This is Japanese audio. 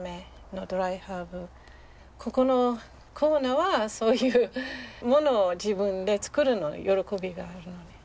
ここのコーナーはそういう物を自分で作るの喜びがあるので。